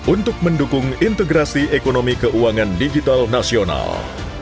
untuk mendukung integrasi ekonomi keuangan digital nasional